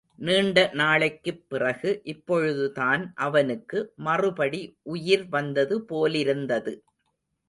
நீண்ட நாளைக்குப் பிறகு இப்பொழுதுதான் அவனுக்கு மறுபடி உயிர் வந்தது போலிருந்தது.